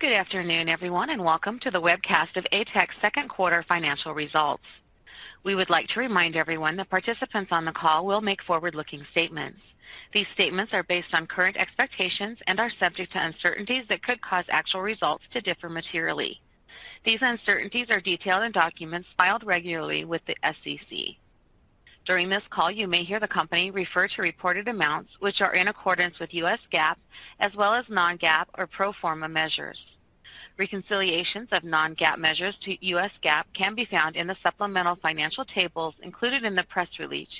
Good afternoon, everyone, and welcome to the webcast of ATEC's second quarter financial results. We would like to remind everyone that participants on the call will make forward-looking statements. These statements are based on current expectations and are subject to uncertainties that could cause actual results to differ materially. These uncertainties are detailed in documents filed regularly with the SEC. During this call, you may hear the company refer to reported amounts which are in accordance with U.S. GAAP, as well as non-GAAP or pro forma measures. Reconciliations of non-GAAP measures to U.S. GAAP can be found in the supplemental financial tables included in the press release,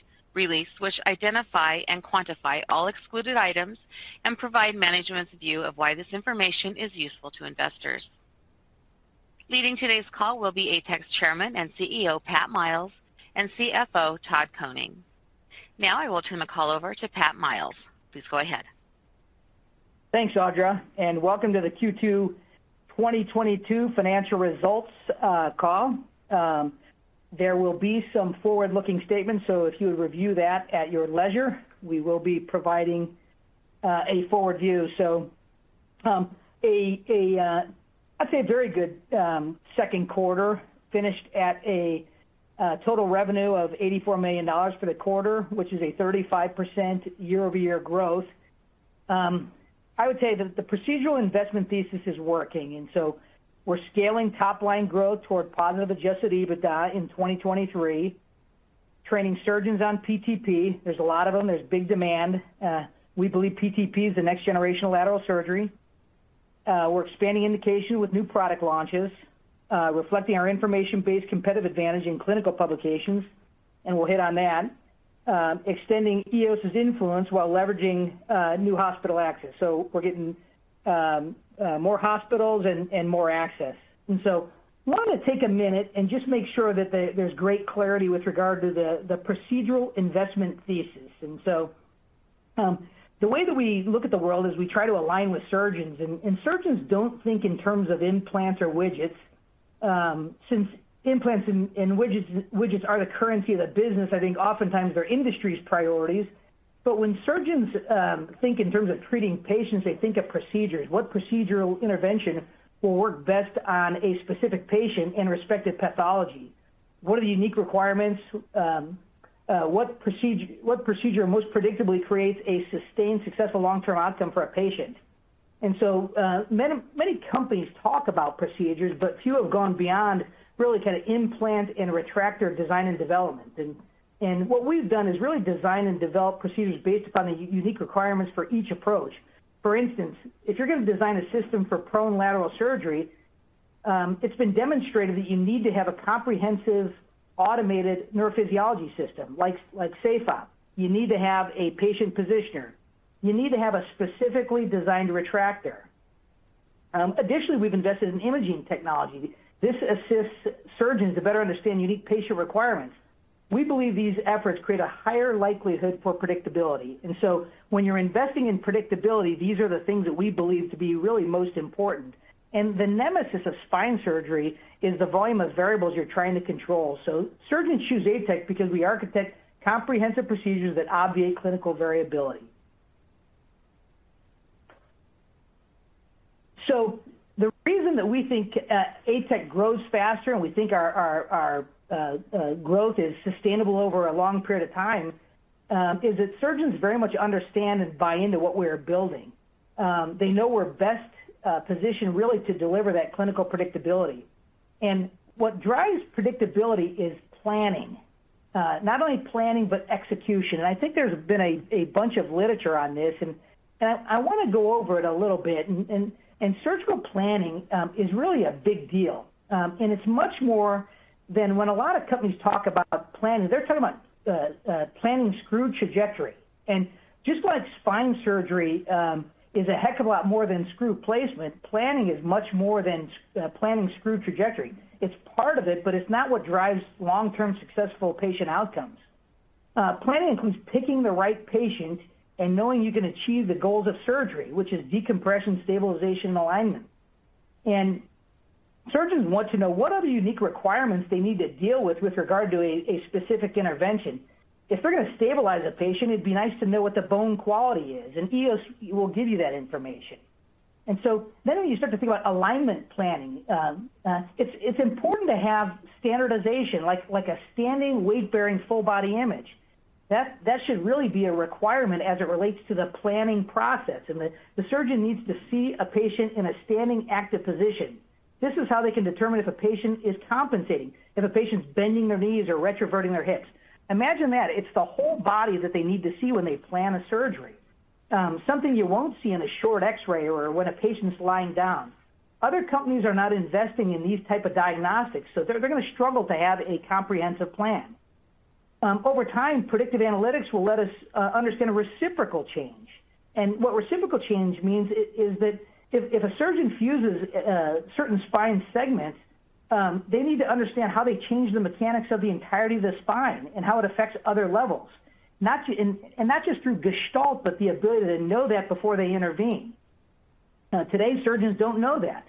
which identify and quantify all excluded items and provide management's view of why this information is useful to investors. Leading today's call will be ATEC's Chairman and CEO, Pat Miles, and CFO, Todd Koning. Now I will turn the call over to Pat Miles. Please go ahead. Thanks, Audra, and welcome to the Q2 2022 financial results call. There will be some forward-looking statements, so if you would review that at your leisure, we will be providing a forward view. I'd say a very good second quarter, finished at a total revenue of $84 million for the quarter, which is a 35% year-over-year growth. I would say that the procedural investment thesis is working, and so we're scaling top line growth toward positive adjusted EBITDA in 2023. Training surgeons on PTP. There's a lot of them. There's big demand. We believe PTP is the next generation of lateral surgery. We're expanding indication with new product launches, reflecting our information-based competitive advantage in clinical publications, and we'll hit on that. Extending EOS's influence while leveraging new hospital access. We're getting more hospitals and more access. Want to take a minute and just make sure that there's great clarity with regard to the procedural investment thesis. The way that we look at the world is we try to align with surgeons. Surgeons don't think in terms of implants or widgets. Since implants and widgets are the currency of the business, I think oftentimes they're industry's priorities. When surgeons think in terms of treating patients, they think of procedures. What procedural intervention will work best on a specific patient and respective pathology? What are the unique requirements? What procedure most predictably creates a sustained, successful long-term outcome for a patient? Many companies talk about procedures, but few have gone beyond really kind of implant and retractor design and development. What we've done is really design and develop procedures based upon the unique requirements for each approach. For instance, if you're gonna design a system for prone lateral surgery, it's been demonstrated that you need to have a comprehensive automated neurophysiology system like SafeOp. You need to have a patient positioner. You need to have a specifically designed retractor. Additionally, we've invested in imaging technology. This assists surgeons to better understand unique patient requirements. We believe these efforts create a higher likelihood for predictability. When you're investing in predictability, these are the things that we believe to be really most important. The nemesis of spine surgery is the volume of variables you're trying to control. Surgeons choose ATEC because we architect comprehensive procedures that obviate clinical variability. The reason that we think ATEC grows faster, and we think our growth is sustainable over a long period of time is that surgeons very much understand and buy into what we're building. They know we're best positioned really to deliver that clinical predictability. What drives predictability is planning. Not only planning, but execution. I think there's been a bunch of literature on this, and I wanna go over it a little bit. Surgical planning is really a big deal. It's much more than when a lot of companies talk about planning. They're talking about planning screw trajectory. Just like spine surgery is a heck of a lot more than screw placement, planning is much more than planning screw trajectory. It's part of it, but it's not what drives long-term successful patient outcomes. Planning includes picking the right patient and knowing you can achieve the goals of surgery, which is decompression, stabilization, and alignment. Surgeons want to know what are the unique requirements they need to deal with with regard to a specific intervention. If they're gonna stabilize a patient, it'd be nice to know what the bone quality is, and EOS will give you that information. When you start to think about alignment planning, it's important to have standardization like a standing weight-bearing full body image. That should really be a requirement as it relates to the planning process. The surgeon needs to see a patient in a standing active position. This is how they can determine if a patient is compensating, if a patient's bending their knees or retroverting their hips. Imagine that. It's the whole body that they need to see when they plan a surgery. Something you won't see in a short X-ray or when a patient's lying down. Other companies are not investing in these type of diagnostics, so they're gonna struggle to have a comprehensive plan. Over time, predictive analytics will let us understand a reciprocal change. What reciprocal change means is that if a surgeon fuses a certain spine segment, they need to understand how they change the mechanics of the entirety of the spine and how it affects other levels. Not to. Not just through gestalt, but the ability to know that before they intervene. Today, surgeons don't know that.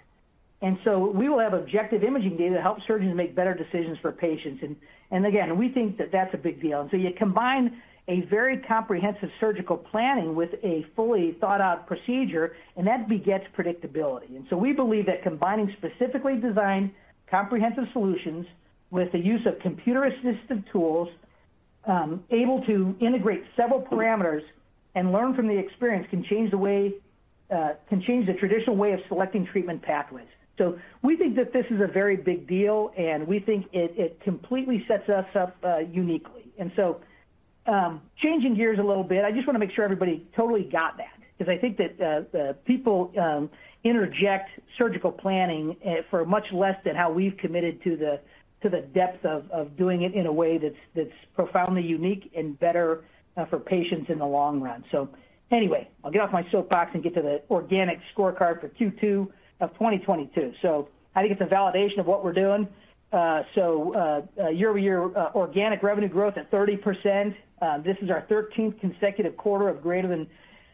We will have objective imaging data to help surgeons make better decisions for patients. Again, we think that that's a big deal. You combine a very comprehensive surgical planning with a fully thought out procedure, and that begets predictability. We believe that combining specifically designed comprehensive solutions with the use of computer assisted tools able to integrate several parameters and learn from the experience can change the traditional way of selecting treatment pathways. We think that this is a very big deal, and we think it completely sets us up uniquely. Changing gears a little bit, I just wanna make sure everybody totally got that because I think that, the people, interject surgical planning, for much less than how we've committed to the depth of doing it in a way that's profoundly unique and better, for patients in the long run. Anyway, I'll get off my soapbox and get to the organic scorecard for Q2 of 2022. I think it's a validation of what we're doing. Year-over-year, organic revenue growth at 30%. This is our thirteenth consecutive quarter of greater than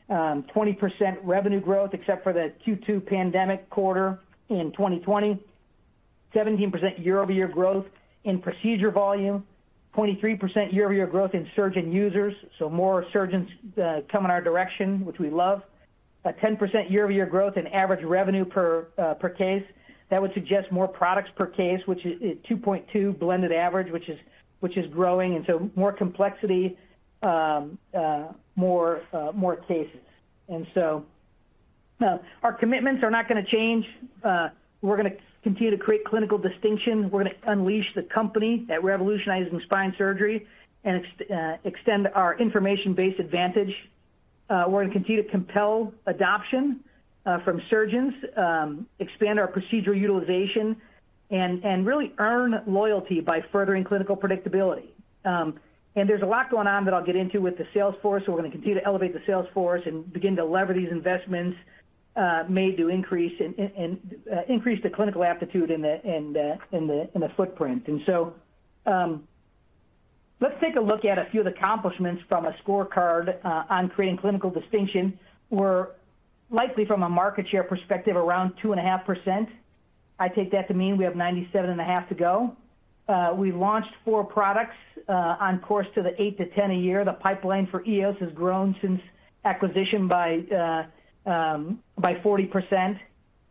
20% revenue growth, except for the Q2 pandemic quarter in 2020. 17% year-over-year growth in procedure volume. 23% year-over-year growth in surgeon users, so more surgeons, coming our direction, which we love. 10% year-over-year growth in average revenue per case. That would suggest more products per case, which is 2.2 blended average, which is growing, and so more complexity, more cases. Our commitments are not gonna change. We're gonna continue to create clinical distinction. We're gonna unleash the company that revolutionizes spine surgery and extend our information-based advantage. We're gonna continue to compel adoption from surgeons, expand our procedure utilization and really earn loyalty by furthering clinical predictability. There's a lot going on that I'll get into with the sales force. We're gonna continue to elevate the sales force and begin to lever these investments made to increase the clinical aptitude in the footprint. Let's take a look at a few of the accomplishments from a scorecard on creating clinical distinction. We're likely from a market share perspective, around 2.5%. I take that to mean we have 97.5 to go. We've launched four products on course to the eight to 10 a year. The pipeline for EOS has grown since acquisition by 40%.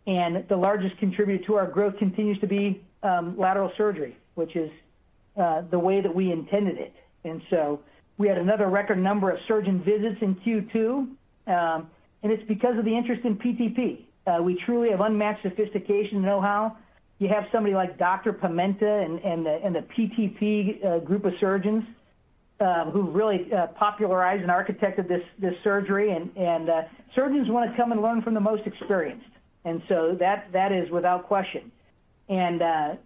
The largest contributor to our growth continues to be lateral surgery, which is the way that we intended it. We had another record number of surgeon visits in Q2, and it's because of the interest in PTP. We truly have unmatched sophistication and know-how. You have somebody like Dr. Pimenta and the PTP group of surgeons who really popularized and architected this surgery. Surgeons wanna come and learn from the most experienced. That is without question. To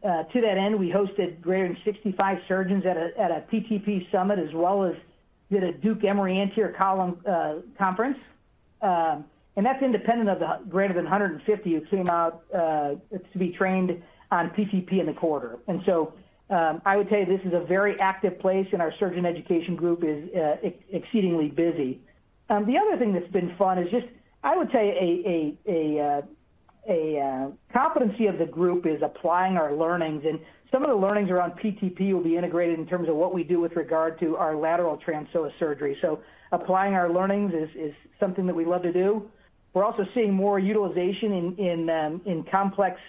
that end, we hosted greater than 65 surgeons at a PTP summit, as well as did a Duke-Emory Anterior Column Conference. That's independent of the greater than 150 who came out to be trained on PTP in the quarter. I would say this is a very active place, and our surgeon education group is exceedingly busy. The other thing that's been fun is just I would say a competency of the group is applying our learnings, and some of the learnings around PTP will be integrated in terms of what we do with regard to our lateral transforaminal surgery. Applying our learnings is something that we love to do. We're also seeing more utilization in complex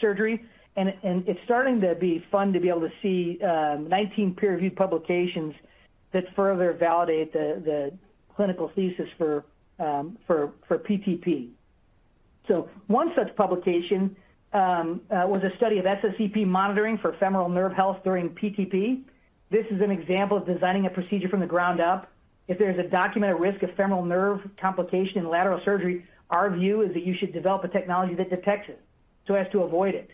surgery. It's starting to be fun to be able to see 19 peer-reviewed publications that further validate the clinical thesis for PTP. One such publication was a study of SSEP monitoring for femoral nerve health during PTP. This is an example of designing a procedure from the ground up. If there's a documented risk of femoral nerve complication in lateral surgery, our view is that you should develop a technology that detects it so as to avoid it.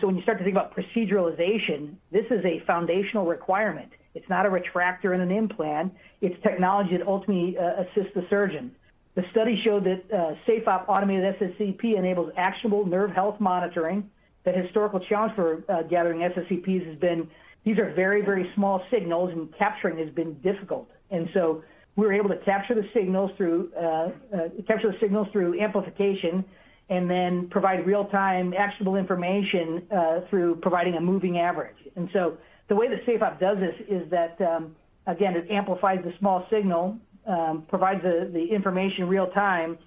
When you start to think about proceduralization, this is a foundational requirement. It's not a retractor and an implant. It's technology that ultimately assists the surgeon. The study showed that SafeOp automated SSEP enables actionable nerve health monitoring. The historical challenge for gathering SSEPs has been these are very, very small signals, and capturing has been difficult. We were able to capture the signals through amplification and then provide real-time actionable information through providing a moving average. The way that SafeOp does this is that, again, it amplifies the small signal, provides the information real time,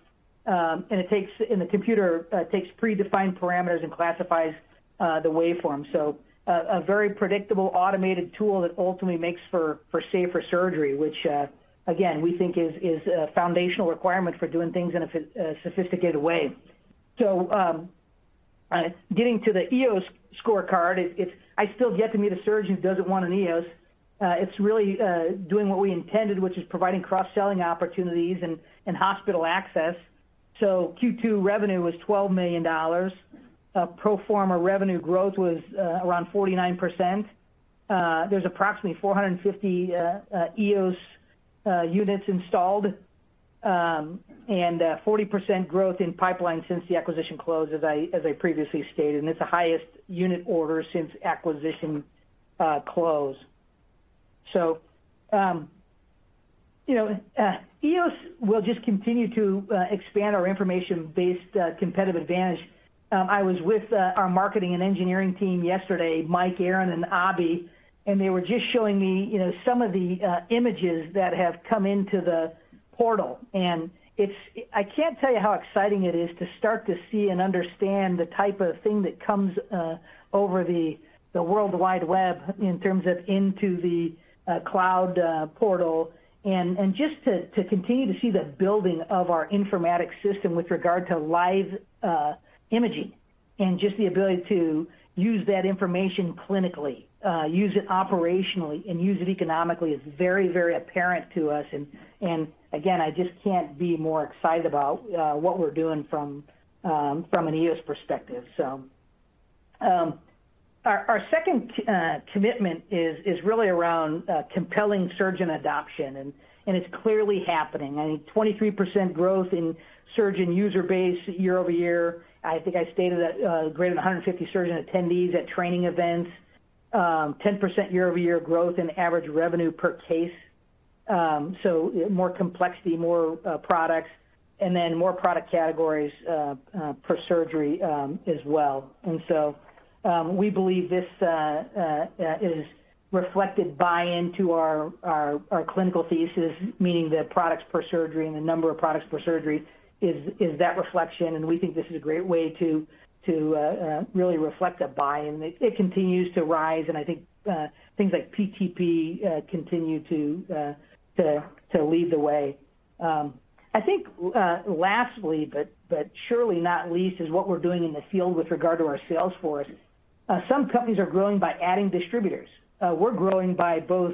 and the computer takes predefined parameters and classifies the waveform. A very predictable automated tool that ultimately makes for safer surgery, which, again, we think is a foundational requirement for doing things in a sophisticated way. Getting to the EOS scorecard, it's, I still get to meet a surgeon who doesn't want an EOS. It's really doing what we intended, which is providing cross-selling opportunities and hospital access. Q2 revenue was $12 million. Pro forma revenue growth was around 49%. There's approximately 450 EOS units installed. 40% growth in pipeline since the acquisition closed, as I previously stated. It's the highest unit order since acquisition close. You know, EOS will just continue to expand our information based competitive advantage. I was with our marketing and engineering team yesterday, Mike, Aaron, and Abby, and they were just showing me, you know, some of the images that have come into the portal. It's I can't tell you how exciting it is to start to see and understand the type of thing that comes over the World Wide Web in terms of into the cloud portal. Just to continue to see the building of our informatics system with regard to live imaging and just the ability to use that information clinically, use it operationally, and use it economically is very, very apparent to us. Again, I just can't be more excited about what we're doing from an EOS perspective so. Our second commitment is really around compelling surgeon adoption, and it's clearly happening. I think 23% growth in surgeon user base year-over-year. I think I stated that, greater than 150 surgeon attendees at training events. 10% year-over-year growth in average revenue per case. So more complexity, more products, and then more product categories per surgery, as well. We believe this is reflected in buy-in to our clinical thesis, meaning the products per surgery and the number of products per surgery is that reflection, and we think this is a great way to really reflect buy-in, and it continues to rise, and I think things like PTP continue to lead the way. I think last but not least is what we're doing in the field with regard to our sales force. Some companies are growing by adding distributors. We're growing by both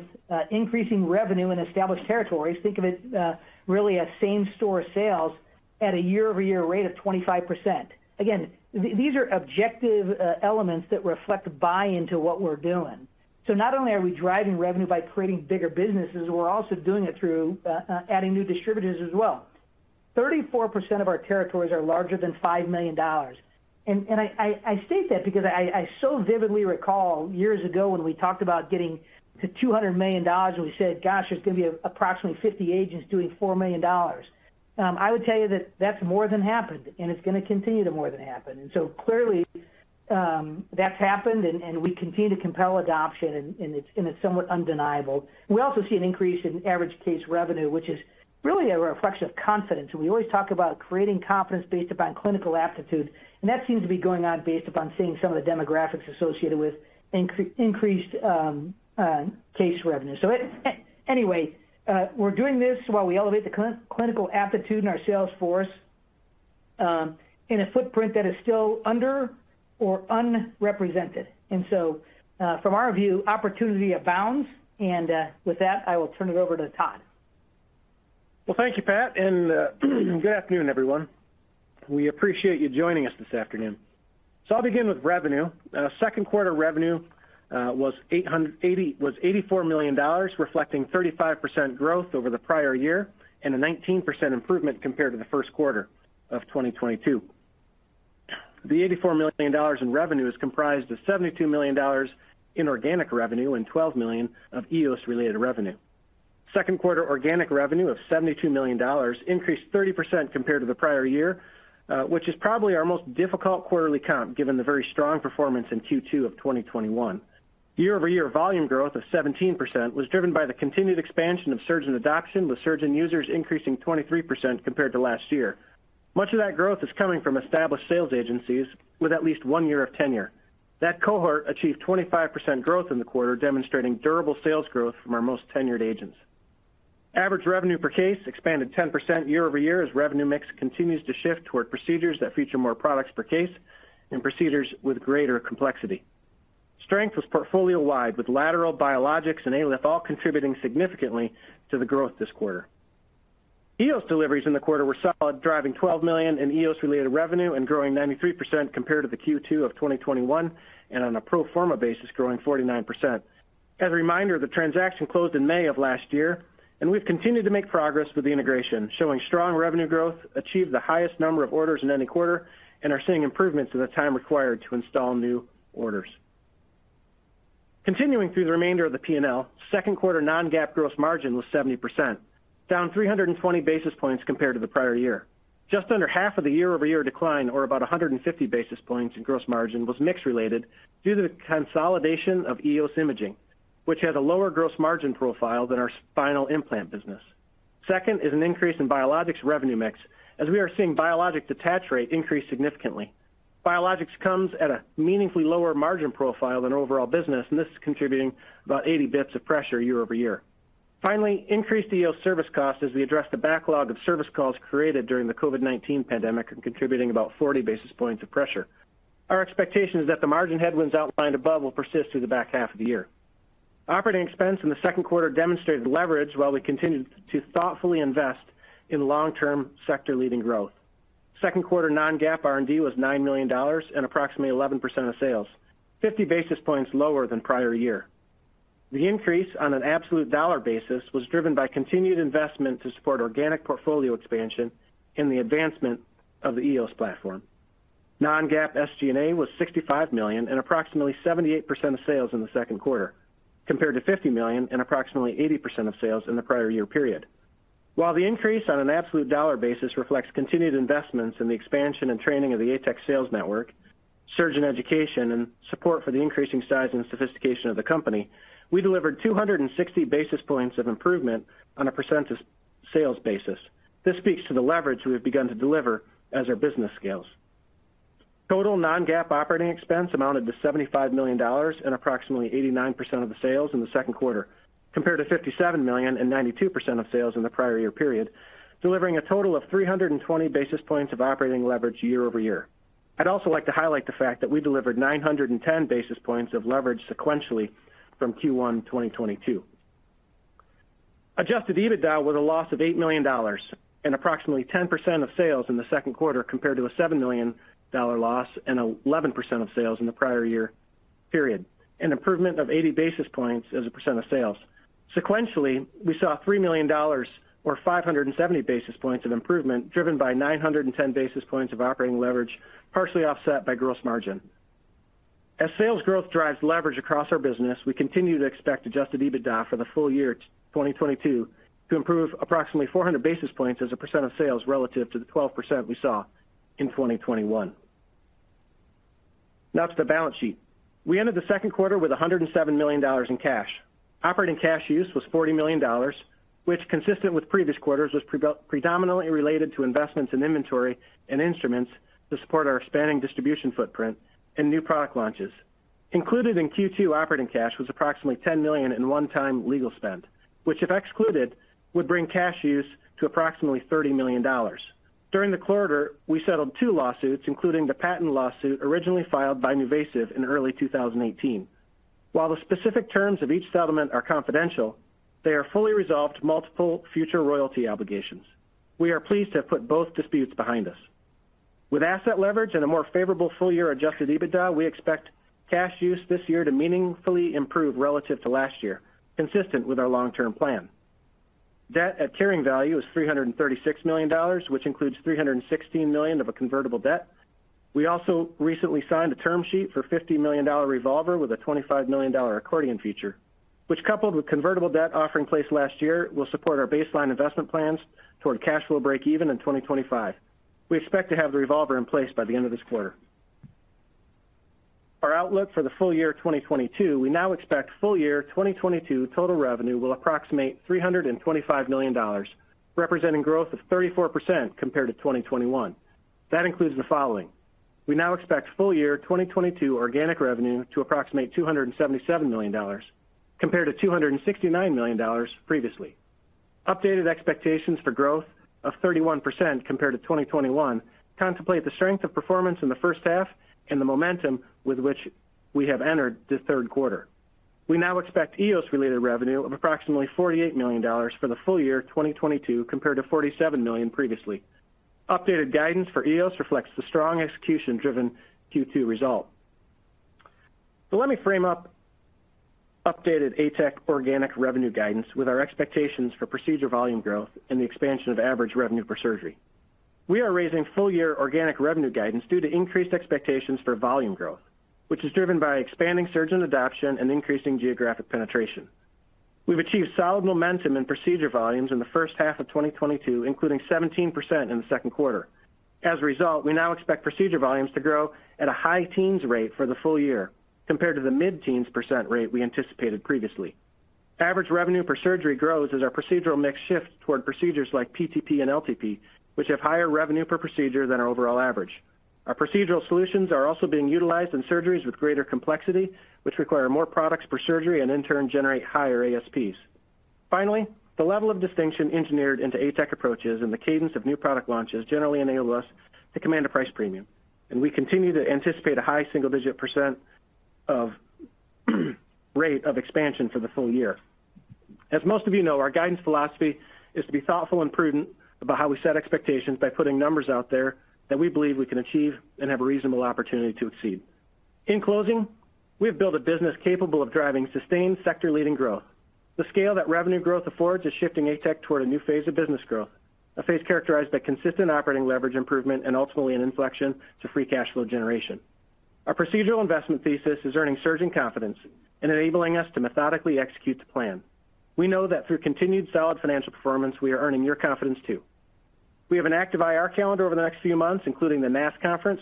increasing revenue in established territories. Think of it really as same store sales at a year-over-year rate of 25%. Again, these are objective elements that reflect buy-in to what we're doing. Not only are we driving revenue by creating bigger businesses, we're also doing it through adding new distributors as well. 34% of our territories are larger than $5 million. I state that because I so vividly recall years ago when we talked about getting to $200 million, and we said, "Gosh, there's gonna be approximately 50 agents doing $4 million." I would tell you that that's more than happened, and it's gonna continue to more than happen. Clearly, that's happened and we continue to compel adoption and it's somewhat undeniable. We also see an increase in average case revenue, which is really a reflection of confidence. We always talk about creating confidence based upon clinical aptitude, and that seems to be going on based upon seeing some of the demographics associated with increased case revenue. Anyway, we're doing this while we elevate the clinical aptitude in our sales force, in a footprint that is still under- or unrepresented. From our view, opportunity abounds. With that, I will turn it over to Todd. Well, thank you, Pat, and good afternoon, everyone. We appreciate you joining us this afternoon. I'll begin with revenue. Second quarter revenue was $84 million, reflecting 35% growth over the prior year and a 19% improvement compared to the first quarter of 2022. The $84 million in revenue is comprised of $72 million in organic revenue and $12 million of EOS-related revenue. Second quarter organic revenue of $72 million increased 30% compared to the prior year, which is probably our most difficult quarterly comp, given the very strong performance in Q2 of 2021. Year-over-year volume growth of 17% was driven by the continued expansion of surgeon adoption, with surgeon users increasing 23% compared to last year. Much of that growth is coming from established sales agencies with at least one year of tenure. That cohort achieved 25% growth in the quarter, demonstrating durable sales growth from our most tenured agents. Average revenue per case expanded 10% year-over-year as revenue mix continues to shift toward procedures that feature more products per case and procedures with greater complexity. Strength was portfolio-wide, with lateral, biologics, and ALIF all contributing significantly to the growth this quarter. EOS deliveries in the quarter were solid, driving $12 million in EOS-related revenue and growing 93% compared to the Q2 of 2021, and on a pro forma basis, growing 49%. As a reminder, the transaction closed in May of last year, and we've continued to make progress with the integration, showing strong revenue growth, achieved the highest number of orders in any quarter, and are seeing improvements in the time required to install new orders. Continuing through the remainder of the P&L, second quarter non-GAAP gross margin was 70%, down 320 basis points compared to the prior year. Just under half of the year-over-year decline, or about 150 basis points in gross margin, was mix related due to the consolidation of EOS imaging, which had a lower gross margin profile than our spinal implant business. Second is an increase in biologics revenue mix, as we are seeing biologic detach rate increase significantly. Biologics comes at a meaningfully lower margin profile than overall business, and this is contributing about 80 basis points of pressure year-over-year. Finally, increased EOS service costs, as we address the backlog of service calls created during the COVID-19 pandemic and contributing about 40 basis points of pressure. Our expectation is that the margin headwinds outlined above will persist through the back half of the year. Operating expense in the second quarter demonstrated leverage while we continued to thoughtfully invest in long-term sector-leading growth. Second quarter non-GAAP R&D was $9 million and approximately 11% of sales, 50 basis points lower than prior year. The increase on an absolute dollar basis was driven by continued investment to support organic portfolio expansion and the advancement of the EOS platform. non-GAAP SG&A was $65 million and approximately 78% of sales in the second quarter, compared to $50 million and approximately 80% of sales in the prior year period. While the increase on an absolute dollar basis reflects continued investments in the expansion and training of the ATEC sales network, surgeon education, and support for the increasing size and sophistication of the company, we delivered 260 basis points of improvement on a percentage sales basis. This speaks to the leverage we have begun to deliver as our business scales. Total non-GAAP operating expense amounted to $75 million and approximately 89% of the sales in the second quarter, compared to $57 million and 92% of sales in the prior year period, delivering a total of 320 basis points of operating leverage yearover-year. I'd also like to highlight the fact that we delivered 910 basis points of leverage sequentially from Q1 2022. Adjusted EBITDA with a loss of $8 million and approximately 10% of sales in the second quarter compared to a $7 million loss and 11% of sales in the prior year period, an improvement of 80 basis points as a percent of sales. Sequentially, we saw $3 million or 570 basis points of improvement driven by 910 basis points of operating leverage, partially offset by gross margin. As sales growth drives leverage across our business, we continue to expect adjusted EBITDA for the full year 2022 to improve approximately 400 basis points as a percent of sales relative to the 12% we saw in 2021. Now to the balance sheet. We ended the second quarter with $107 million in cash. Operating cash use was $40 million, which, consistent with previous quarters, was predominantly related to investments in inventory and instruments to support our expanding distribution footprint and new product launches. Included in Q2 operating cash was approximately $10 million in one-time legal spend, which if excluded, would bring cash use to approximately $30 million. During the quarter, we settled two lawsuits, including the patent lawsuit originally filed by NuVasive in early 2018. While the specific terms of each settlement are confidential, they are fully resolved, multiple future royalty obligations. We are pleased to have put both disputes behind us. With asset leverage and a more favorable full-year adjusted EBITDA, we expect cash use this year to meaningfully improve relative to last year, consistent with our long-term plan. Debt at carrying value is $336 million, which includes $316 million of a convertible debt. We also recently signed a term sheet for a $50 million revolver with a $25 million accordion feature, which coupled with convertible debt offering placed last year, will support our baseline investment plans toward cash flow breakeven in 2025. We expect to have the revolver in place by the end of this quarter. Our outlook for the full year 2022, we now expect full year 2022 total revenue will approximate $325 million, representing growth of 34% compared to 2021. That includes the following: We now expect full year 2022 organic revenue to approximate $277 million compared to $269 million previously. Updated expectations for growth of 31% compared to 2021 contemplate the strength of performance in the first half and the momentum with which we have entered the third quarter. We now expect EOS-related revenue of approximately $48 million for the full year 2022 compared to $47 million previously. Updated guidance for EOS reflects the strong execution-driven Q2 result. Let me frame up updated ATEC organic revenue guidance with our expectations for procedure volume growth and the expansion of average revenue per surgery. We are raising full year organic revenue guidance due to increased expectations for volume growth, which is driven by expanding surgeon adoption and increasing geographic penetration. We've achieved solid momentum in procedure volumes in the first half of 2022, including 17% in the second quarter. As a result, we now expect procedure volumes to grow at a high-teens rate for the full year compared to the mid-teens rate we anticipated previously. Average revenue per surgery grows as our procedural mix shifts toward procedures like PTP and LTP, which have higher revenue per procedure than our overall average. Our procedural solutions are also being utilized in surgeries with greater complexity, which require more products per surgery and in turn generate higher ASPs. Finally, the level of distinction engineered into ATEC approaches and the cadence of new product launches generally enable us to command a price premium, and we continue to anticipate a high single-digit percent rate of expansion for the full year. As most of you know, our guidance philosophy is to be thoughtful and prudent about how we set expectations by putting numbers out there that we believe we can achieve and have a reasonable opportunity to exceed. In closing, we have built a business capable of driving sustained sector leading growth. The scale that revenue growth affords is shifting ATEC toward a new phase of business growth, a phase characterized by consistent operating leverage improvement and ultimately an inflection to free cash flow generation. Our procedural investment thesis is earning surgeon confidence and enabling us to methodically execute the plan. We know that through continued solid financial performance, we are earning your confidence too. We have an active IR calendar over the next few months, including the NASS conference,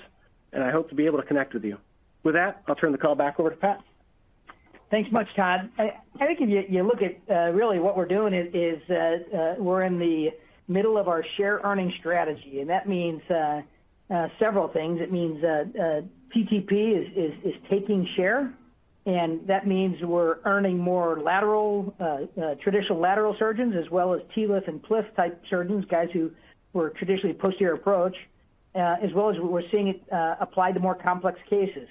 and I hope to be able to connect with you. With that, I'll turn the call back over to Pat. Thanks much, Todd. I think if you look at really what we're doing is we're in the middle of our share earning strategy, and that means several things. It means PTP is taking share, and that means we're earning more lateral traditional lateral surgeons as well as TLIF and PLIF type surgeons, guys who were traditionally posterior approach as well as we're seeing it applied to more complex cases.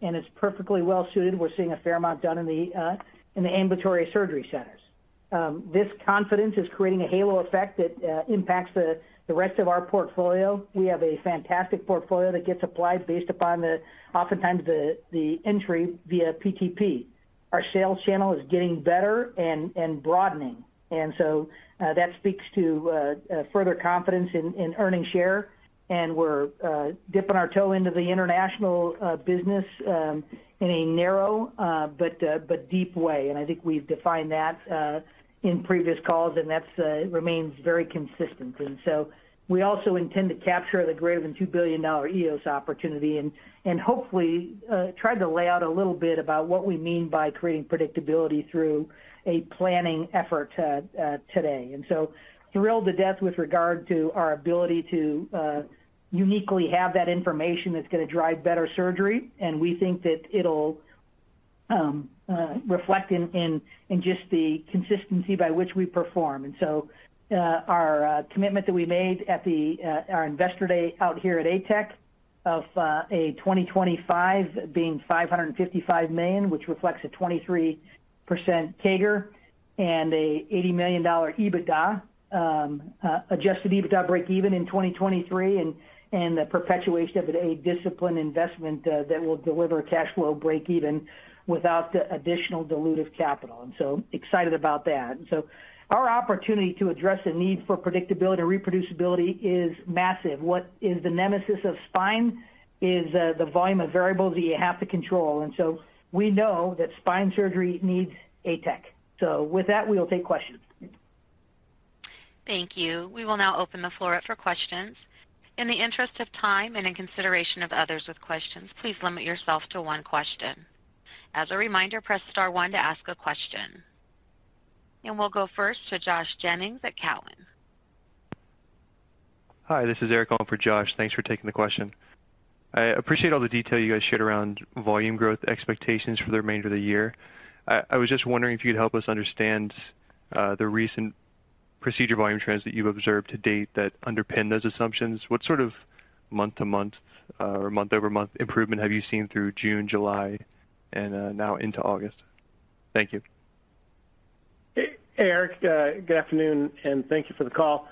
It's perfectly well suited. We're seeing a fair amount done in the ambulatory surgery centers. This confidence is creating a halo effect that impacts the rest of our portfolio. We have a fantastic portfolio that gets applied based upon the oftentimes the entry via PTP. Our sales channel is getting better and broadening. That speaks to further confidence in earning share. We're dipping our toe into the international business in a narrow but deep way. I think we've defined that in previous calls, and that remains very consistent. We also intend to capture the greater than $2 billion EOS opportunity and hopefully try to lay out a little bit about what we mean by creating predictability through a planning effort today. Thrilled to death with regard to our ability to uniquely have that information that's gonna drive better surgery. We think that it'll reflect in just the consistency by which we perform. Our commitment that we made at the our Investor Day out here at ATEC of a 2025 being $555 million, which reflects a 23% CAGR and a $80 million EBITDA, adjusted EBITDA breakeven in 2023, and the perpetuation of a disciplined investment that will deliver cash flow breakeven without the additional dilutive capital. Excited about that. Our opportunity to address the need for predictability and reproducibility is massive. What is the nemesis of spine is the volume of variables that you have to control. We know that spine surgery needs ATEC. With that, we will take questions. Thank you. We will now open the floor up for questions. In the interest of time and in consideration of others with questions, please limit yourself to one question. As a reminder, press star one to ask a question. We'll go first to Josh Jennings at TD Cowen. Hi, this is Eric on for Josh. Thanks for taking the question. I appreciate all the detail you guys shared around volume growth expectations for the remainder of the year. I was just wondering if you could help us understand the recent procedure volume trends that you've observed to date that underpin those assumptions. What sort of month-to-month or month-over-month improvement have you seen through June, July, and now into August? Thank you. Hey, Eric. Good afternoon, and thank you for the call.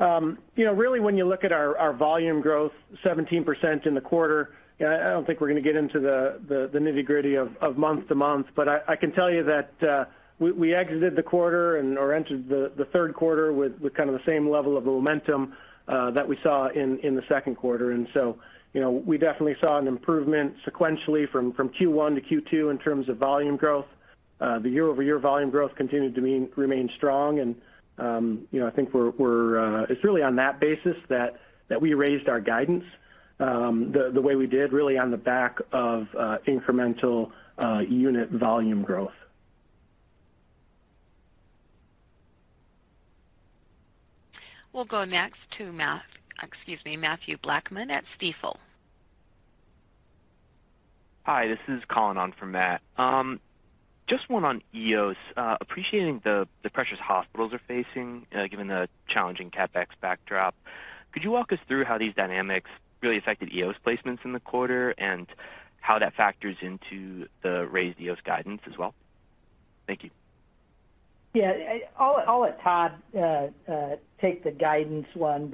You know, really, when you look at our volume growth 17% in the quarter, I don't think we're going to get into the nitty-gritty of month-to-month. But I can tell you that we exited the quarter and/or entered the third quarter with kind of the same level of momentum that we saw in the second quarter. You know, we definitely saw an improvement sequentially from Q1 to Q2 in terms of volume growth. The year-over-year volume growth continued to remain strong and, you know, I think we're it's really on that basis that we raised our guidance the way we did really on the back of incremental unit volume growth. We'll go next to Matt, excuse me, Mathew Blackman at Stifel. Hi, this is Colin on for Matt. Just one on EOS. Appreciating the pressures hospitals are facing, given the challenging CapEx backdrop. Could you walk us through how these dynamics really affected EOS placements in the quarter and how that factors into the raised EOS guidance as well? Thank you. Yeah, I'll let Todd take the guidance one.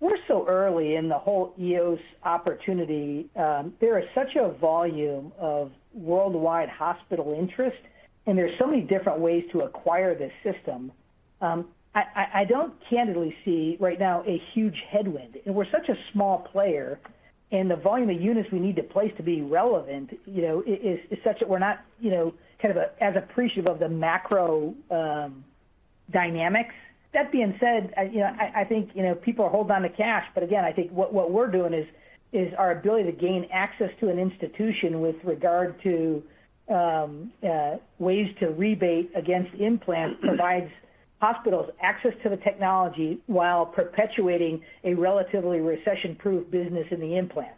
We're so early in the whole EOS opportunity. There is such a volume of worldwide hospital interest, and there's so many different ways to acquire this system. I don't candidly see right now a huge headwind. We're such a small player, and the volume of units we need to place to be relevant, you know, is such that we're not, you know, kind of as appreciative of the macro dynamics. That being said, you know, I think, you know, people are holding on to cash. Again, I think what we're doing is our ability to gain access to an institution with regard to ways to rebate against implants provides hospitals access to the technology while perpetuating a relatively recession-proof business in the implants.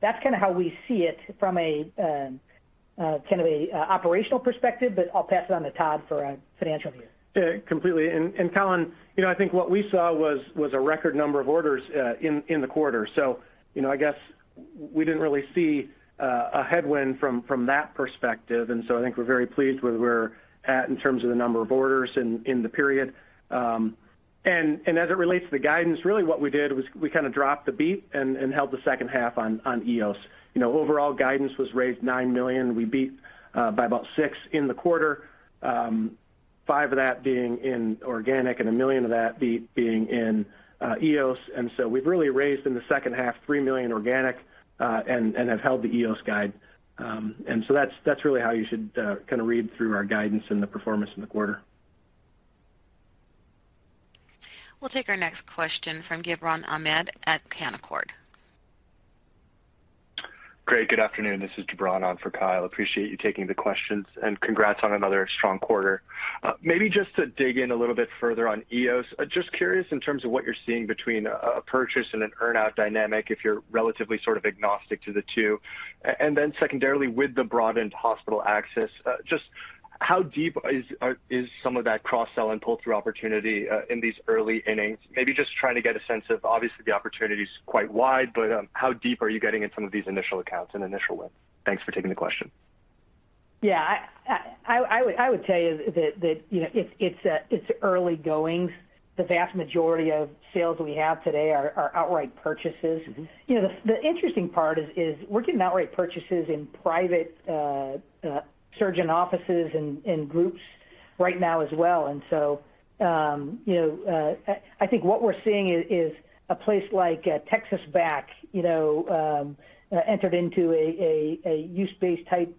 That's kind of how we see it from a kind of operational perspective, but I'll pass it on to Todd for a financial view. Yeah, completely. Colin, you know, I think what we saw was a record number of orders in the quarter. You know, I guess we didn't really see a headwind from that perspective. I think we're very pleased with where we're at in terms of the number of orders in the period. As it relates to the guidance, really what we did was we kind of dropped the beat and held the second half on EOS. You know, overall guidance was raised $9 million. We beat by about $6 million in the quarter, $5 million of that being in organic and $1 million of that being in EOS. We've really raised in the second half $3 million organic, and have held the EOS guide. That's really how you should kind of read through our guidance and the performance in the quarter. We'll take our next question from Gibran Ahmed at Canaccord. Great. Good afternoon. This is Gibran on for Kyle. Appreciate you taking the questions, and congrats on another strong quarter. Maybe just to dig in a little bit further on EOS. Just curious in terms of what you're seeing between a purchase and an earn-out dynamic, if you're relatively sort of agnostic to the two. Secondarily, with the broadened hospital access, just how deep is some of that cross-sell and pull-through opportunity in these early innings? Maybe just trying to get a sense of obviously the opportunity is quite wide, but how deep are you getting in some of these initial accounts and initial wins? Thanks for taking the question. Yeah, I would tell you that, you know, it's early goings. The vast majority of sales we have today are outright purchases. You know, the interesting part is we're getting outright purchases in private surgeon offices and groups right now as well. You know, I think what we're seeing is a place like Texas Back, you know, entered into a use-based type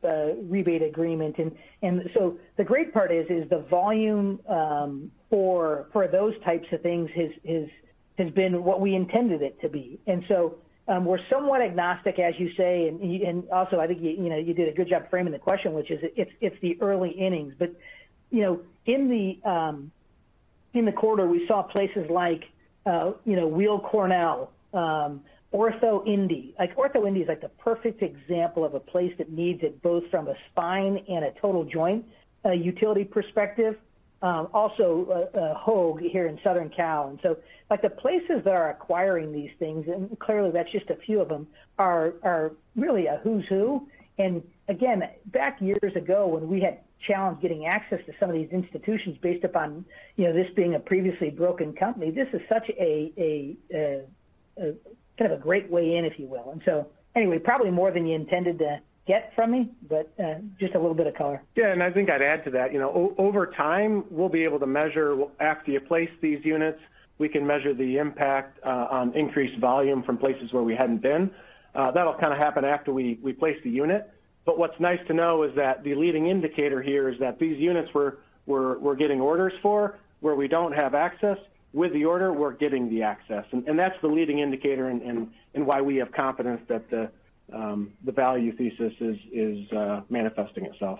rebate agreement. The great part is the volume for those types of things has been what we intended it to be. We're somewhat agnostic, as you say. I think you know you did a good job framing the question, which is it's the early innings. You know, in the quarter, we saw places like Weill Cornell, OrthoIndy. Like OrthoIndy is like the perfect example of a place that needs it both from a spine and a total joint utility perspective. Also, Hoag here in Southern California. Like the places that are acquiring these things, and clearly that's just a few of them, are really a who's who. Again, back years ago when we had challenge getting access to some of these institutions based upon, you know, this being a previously broken company, this is such a kind of a great way in, if you will. Anyway, probably more than you intended to get from me, but just a little bit of color. Yeah. I think I'd add to that. You know, over time, we'll be able to measure after you place these units, we can measure the impact on increased volume from places where we hadn't been. That'll kind of happen after we place the unit. But what's nice to know is that the leading indicator here is that these units we're getting orders for where we don't have access. With the order, we're getting the access. That's the leading indicator and why we have confidence that the value thesis is manifesting itself.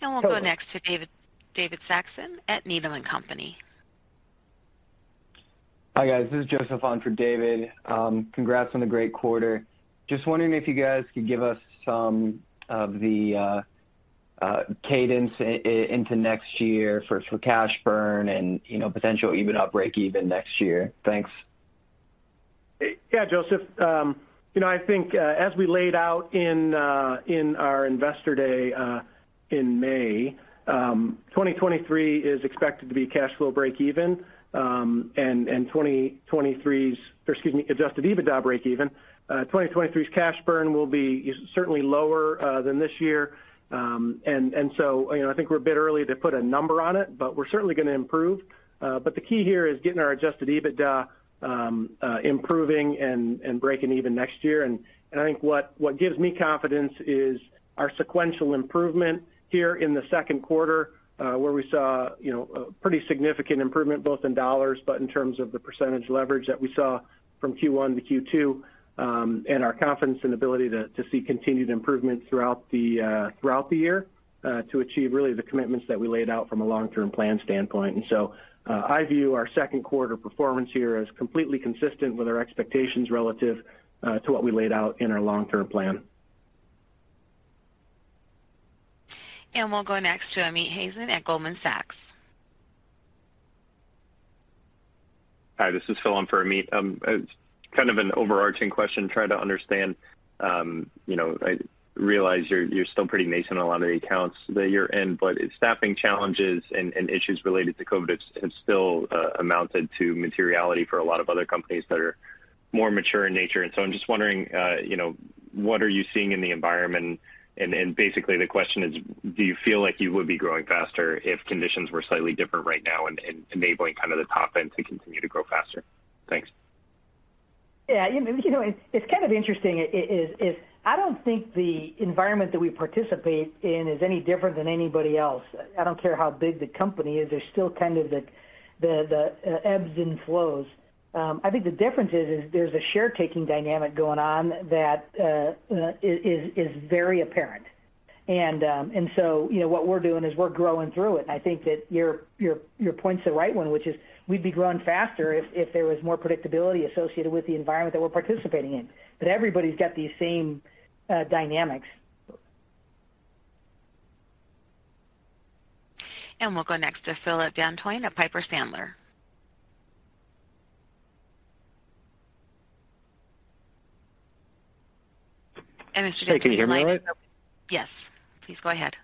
We'll go next to David Saxon at Needham & Company. Hi, guys. This is Joseph on for David. Congrats on the great quarter. Just wondering if you guys could give us some of the cadence into next year for cash burn and, you know, potential even breakeven next year. Thanks. Yeah, Joseph. You know, I think, as we laid out in our Investor Day in May, 2023 is expected to be cash flow breakeven, and 2023's, or excuse me, adjusted EBITDA breakeven. 2023's cash burn will be certainly lower than this year. You know, I think we're a bit early to put a number on it, but we're certainly gonna improve. The key here is getting our adjusted EBITDA improving and breaking even next year. I think what gives me confidence is our sequential improvement here in the second quarter, where we saw, you know, a pretty significant improvement both in dollars, but in terms of the percentage leverage that we saw from Q1 to Q2, and our confidence and ability to see continued improvement throughout the year, to achieve really the commitments that we laid out from a long-term plan standpoint. I view our second quarter performance here as completely consistent with our expectations relative to what we laid out in our long-term plan. We'll go next to Amit Hazan at Goldman Sachs. Hi, this is Phil on for Amit. Kind of an overarching question, trying to understand, you know, I realize you're still pretty nascent in a lot of the accounts that you're in, but staffing challenges and issues related to COVID-19 have still amounted to materiality for a lot of other companies that are more mature in nature. I'm just wondering, you know, what are you seeing in the environment? Basically the question is, do you feel like you would be growing faster if conditions were slightly different right now and enabling kind of the top end to continue to grow faster? Thanks. Yeah, you know, it's kind of interesting. I don't think the environment that we participate in is any different than anybody else. I don't care how big the company is, there's still kind of the ebbs and flows. I think the difference is there's a share taking dynamic going on that is very apparent. You know, what we're doing is we're growing through it. I think that your point's the right one, which is we'd be growing faster if there was more predictability associated with the environment that we're participating in. Everybody's got these same dynamics. We'll go next to Phillip Dantoin at Piper Sandler. Hey, can you hear me? Yes, please go ahead.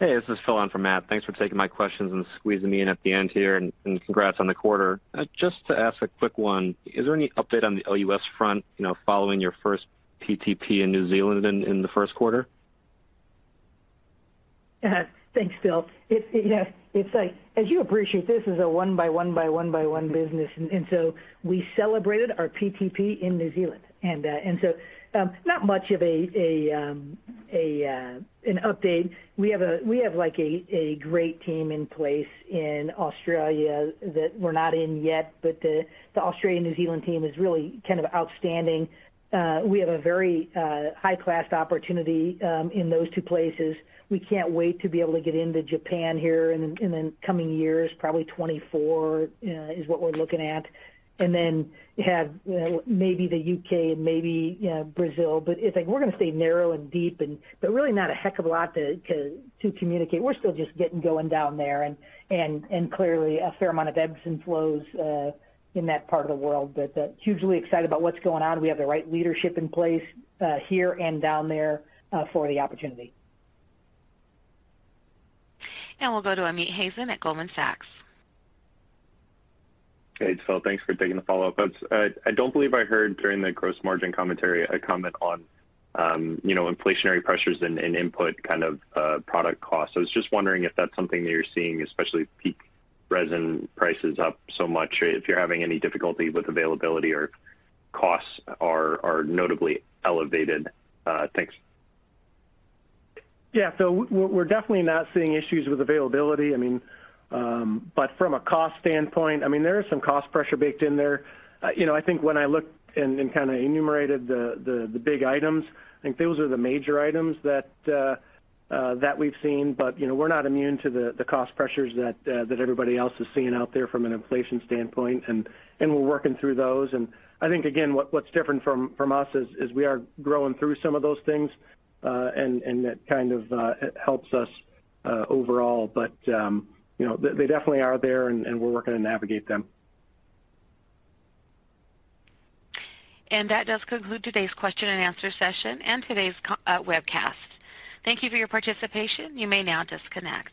Hey, this is Phil on for Matt. Thanks for taking my questions and squeezing me in at the end here. Congrats on the quarter. Just to ask a quick one, is there any update on the OUS front, you know, following your first PTP in New Zealand in the first quarter? Thanks, Phil. It's, you know, it's like as you appreciate, this is a one by one by one by one business. We celebrated our PTP in New Zealand. Not much of an update. We have like a great team in place in Australia that we're not in yet, but the Australia and New Zealand team is really kind of outstanding. We have a very high-class opportunity in those two places. We can't wait to be able to get into Japan in the coming years. Probably 2024 is what we're looking at. You have, you know, maybe the U.K. and maybe, you know, Brazil. It's like we're gonna stay narrow and deep and, but really not a heck of a lot to communicate. We're still just getting going down there and clearly a fair amount of ebbs and flows in that part of the world. Hugely excited about what's going on. We have the right leadership in place here and down there for the opportunity. Now we'll go to Amit Hazan at Goldman Sachs. Hey, it's Phil. Thanks for taking the follow-up. I don't believe I heard during the gross margin commentary a comment on, you know, inflationary pressures and input kind of product costs. I was just wondering if that's something that you're seeing, especially with PEEK resin prices up so much, if you're having any difficulty with availability or costs are notably elevated. Thanks. Yeah. We're definitely not seeing issues with availability. I mean, from a cost standpoint, I mean, there is some cost pressure baked in there. You know, I think when I looked and kinda enumerated the big items, I think those are the major items that we've seen. You know, we're not immune to the cost pressures that everybody else is seeing out there from an inflation standpoint, and we're working through those. I think, again, what's different from us is we are growing through some of those things, and that kind of helps us overall. You know, they definitely are there and we're working to navigate them. That does conclude today's question and answer session and today's webcast. Thank you for your participation. You may now disconnect.